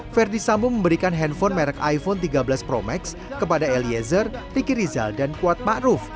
ferdis sambo memberikan handphone merek iphone tiga belas pro max kepada eliezer riki rizal dan kuat ma'ruf